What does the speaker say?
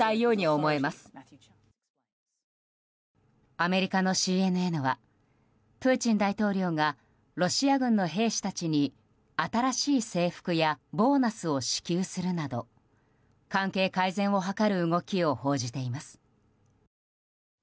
アメリカのＣＮＮはプーチン大統領がロシア軍の兵士たちに新しい制服やボーナスを支給するなど関係改善を図る動きを報じています。